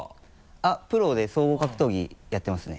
プロで総合格闘技やってますね。